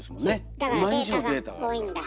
だからデータが多いんだ。